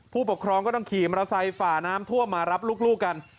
ผู้ปกครองก็ต้องขี่มอเตอร์ไซค์ฝ่าน้ำท่วมมารับลูกกัน